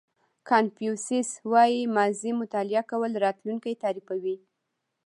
کانفیوسیس وایي ماضي مطالعه کول راتلونکی تعریفوي.